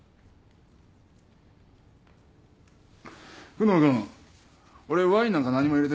久能君俺ワインになんか何も入れてないよ。